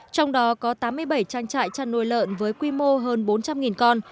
trong đó có tám mươi bảy trang trại chăn nuôi lợn với quy mô hơn bốn trăm linh con